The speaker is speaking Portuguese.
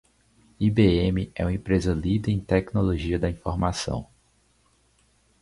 IBM é uma empresa líder em tecnologia da informação.